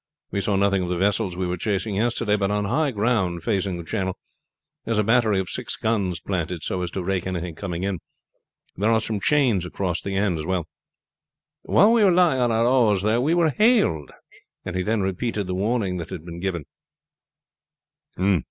We saw nothing of the vessels we were chasing yesterday, but on high ground facing the channel there is a battery of six guns planted so as to rake anything coming in. There are some chains across the end. While we were lying on our oars there we were hailed." And he then repeated the warning that had been given.